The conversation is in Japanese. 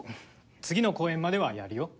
次の公演まではやるよ。